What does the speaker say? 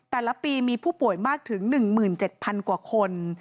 แต่ละปีมีผู้ป่วยมากถึง๑๗๐๐กว่าคน